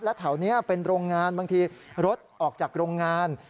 และแถวนี้เป็นโรงงานบางทีรถออกจากโรงงาน